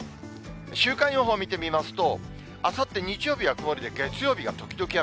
週間予報見てみますと、あさって日曜日は曇りで、月曜日が時々雨。